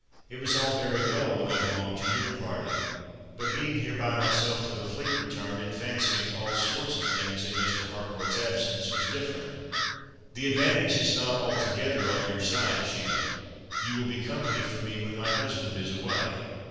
"It was all very well when I belonged to your party, but being here by myself till the fleet returned, and fancying all sorts of things in Mr. Harcourt's absence, was different." "The advantage is not altogether on your side, Sheila. You will be company for me when my husband is away.